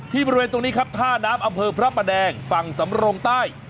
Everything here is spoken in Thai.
บริเวณตรงนี้ครับท่าน้ำอำเภอพระประแดงฝั่งสำโรงใต้